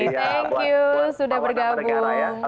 thank you sudah bergabung